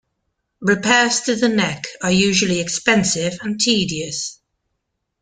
Repairs to the neck are usually expensive and tedious.